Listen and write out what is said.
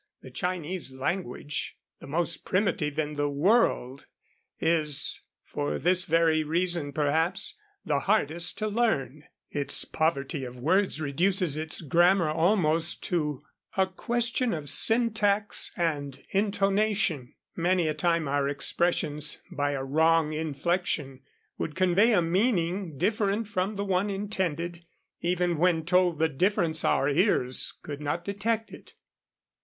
The Chinese language, the most primitive in the world, is, for this very reason perhaps, the hardest to learn. Its poverty of words reduces its grammar almost to a 136 Across Asia on a Bicycle THE FORMER MILITARY COMMANDER OF KULDJA AND HIS FAMILY. 137 question of syntax and intonation. Many a time our expressions, by a wrong inflection, would convey a meaning different from the one intended. Even when told the difference, our ears could not detect it.